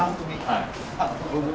はい。